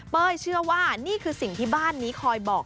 เชื่อว่านี่คือสิ่งที่บ้านนี้คอยบอก